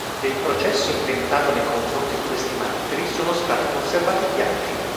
Del processo intentato nei confronti di questi martiri sono stati conservati gli atti.